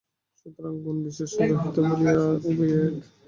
সুতরাং গুণ বা বিশেষণ-রহিত বলিয়া উভয়ই এক।